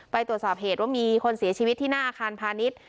ไปตรวจสอบเหตุว่ามีคนเสียชีวิตที่หน้าอาคารพาณิชย์